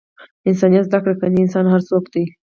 انسانیت زده کړئ! کنې انسان هر څوک دئ!